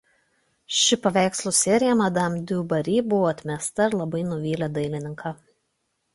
Ši paveikslų serija madam Diu Bari buvo atmesta ir labai nuvylė dailininką.